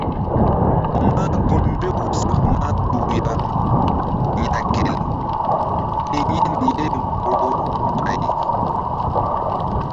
Mah gun mbew sak mahtuh ya yagel i yin ye Borohul ɓay.